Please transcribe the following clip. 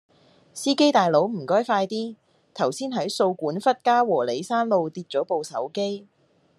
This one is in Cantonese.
司機大佬唔該快啲，頭先喺掃管笏嘉和里山路跌左部手機